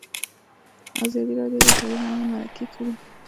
ازادي راډیو د تعلیم اړوند مرکې کړي.